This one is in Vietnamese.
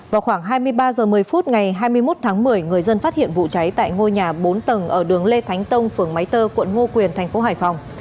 vào khoảng hai mươi ba h một mươi phút ngày hai mươi một tháng một mươi người dân phát hiện vụ cháy tại ngôi nhà bốn tầng ở đường lê thánh tông phường máy tơ quận ngô quyền thành phố hải phòng